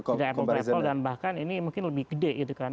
tidak apple traple dan bahkan ini mungkin lebih gede gitu kan